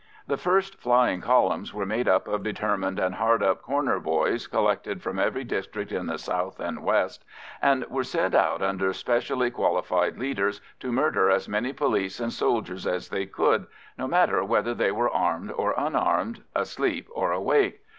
The first flying columns were made up of determined and hard up corner boys collected from every district in the south and west, and were sent out under specially qualified leaders to murder as many police and soldiers as they could, no matter whether they were armed or unarmed, asleep or awake.